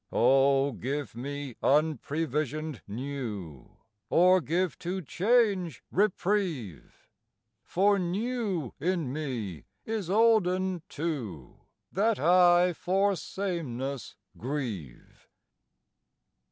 O give me unprevisioned new, Or give to change reprieve! For new in me is olden too, That I for sameness grieve.